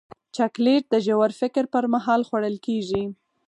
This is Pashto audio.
چاکلېټ د ژور فکر پر مهال خوړل کېږي.